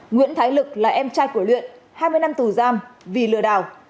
nguyễn thái lực là em trai của luyện hai mươi năm tù giam vì lừa đảo